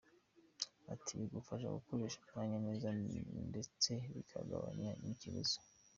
Ati” Ibi bigufasha gukoresha umwanya neza ndetse bikagabanya n’ikiguzi.